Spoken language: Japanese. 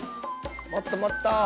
もっともっと。